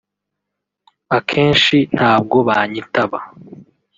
“Akenshi ntabwo banyitaba